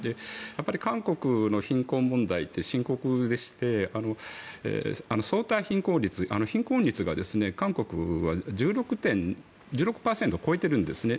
韓国の貧困問題って深刻でして相対貧困率、貧困率が韓国は１６％を越えているんですね。